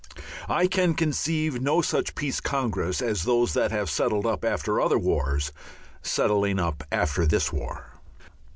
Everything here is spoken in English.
I can conceive no such Peace Congress as those that have settled up after other wars, settling up after this war.